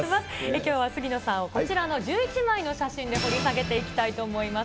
きょうは杉野さんをこちらの１１枚の写真で掘り下げていきたいと思います。